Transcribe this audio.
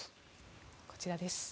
こちらです。